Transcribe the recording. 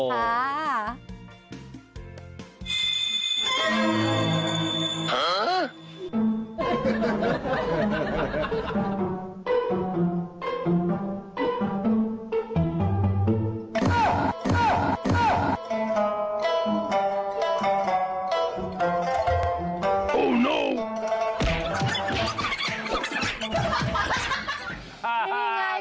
นี่ไงเป็นไง